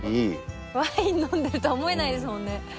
ワイン飲んでるとは思えないですもんね。